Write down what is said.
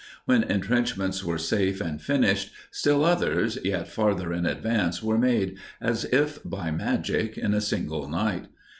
When entrenchments were safe and finished, still others, yet farther in advance were made, as if by magic, in a single night.